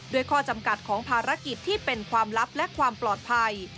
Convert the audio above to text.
ข้อจำกัดของภารกิจที่เป็นความลับและความปลอดภัย